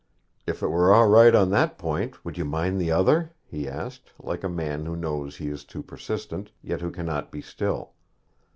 'If it were all right on that point, would you mind the other?' he asked, like a man who knows he is too persistent, yet who cannot be still.